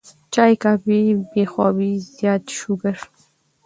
چائے ، کافي ، بې خوابي ، زيات شوګر